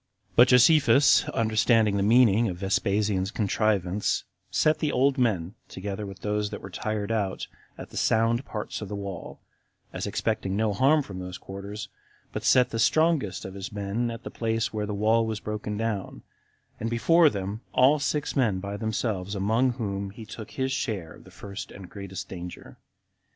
25. But Josephus, understanding the meaning of Vespasian's contrivance, set the old men, together with those that were tired out, at the sound parts of the wall, as expecting no harm from those quarters, but set the strongest of his men at the place where the wall was broken down, and before them all six men by themselves, among whom he took his share of the first and greatest danger.